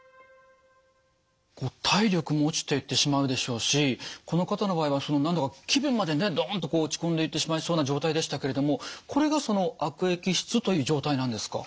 体力も落ちていってしまうでしょうしこの方の場合はその何だか気分までねドンとこう落ち込んでいってしまいそうな状態でしたけれどもこれがその悪液質という状態なんですか？